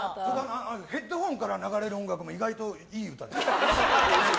ヘッドホンから流れる音楽も意外といい歌で。